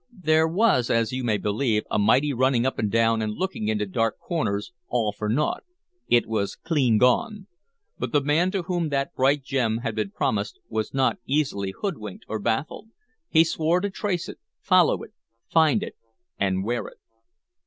There was, as you may believe, a mighty running up and down and looking into dark corners, all for naught, it was clean gone. But the man to whom that bright gem had been promised was not one easily hoodwinked or baffled. He swore to trace it, follow it, find it, and wear it."